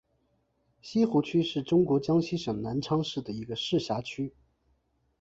西湖区是中国江西省南昌市的一个市辖区。